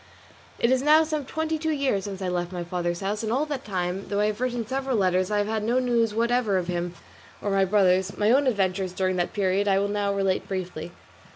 It is now some twenty two years since I left my father's house, and all that time, though I have written several letters, I have had no news whatever of him or of my brothers; my own adventures during that period I will now relate briefly.